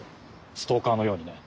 ストーカーのようにね。